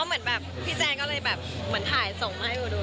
เพราะว่าพี่แจนก็เรื่อยแบบเหมือนถ่ายส่งให้กูดู